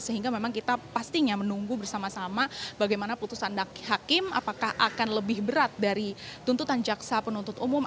sehingga memang kita pastinya menunggu bersama sama bagaimana putusan hakim apakah akan lebih berat dari tuntutan jaksa penuntut umum